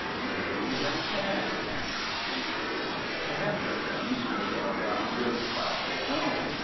"Maybe we'll get the chance," answered Steve. Ahead of them stood a rounded plastic dome.